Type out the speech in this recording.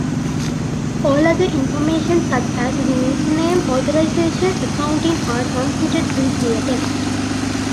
All other information such as the username, authorization, accounting are transmitted in clear text.